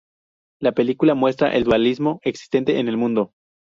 La película muestra el dualismo existente en el mundo.